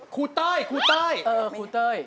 คู่เต้ย